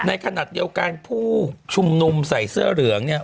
ในขณะเดียวกันผู้ชุมนุมใส่เสื้อเหลืองเนี่ย